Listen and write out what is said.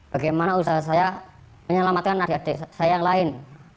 bagaimana usaha saya menyelamatkan adik adik saya yang lain